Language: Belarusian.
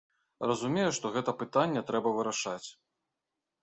Разумею, што гэта пытанне трэба вырашаць.